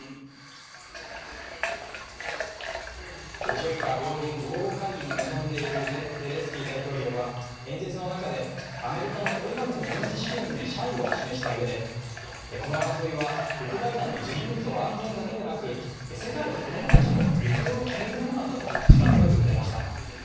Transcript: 上下両院合同会議に臨んでいるゼレンスキー大統領は演説の中で、アメリカのこれまでの軍事支援に謝意を示したうえこの争いはウクライナの自由と安全だけでなく、世界の子供たちの行方を決めるものなんだと力強く訴えました。